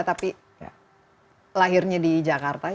tapi lahirnya di jakarta